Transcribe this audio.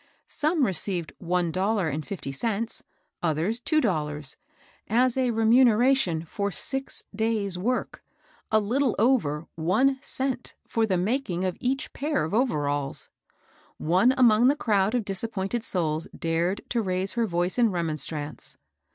Some received one dollar and fifty cents, others two dollars, as a remuneration for six days' work ; a little over one cent for the making of each pair of overalls ! One among that crowd of disappointed souls dared to raise her voice in remonstrance.